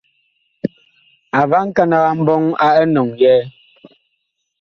A va nkanag a mbɔŋ a enɔŋ yɛɛ.